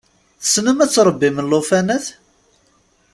Tessnem ad tṛebbim llufanat?